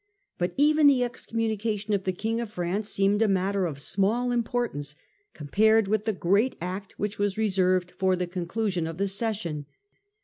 But even the excommu nication of the king of France seemed a matter of small importance compared with the great act which was reserved for the conclusion of the sessior.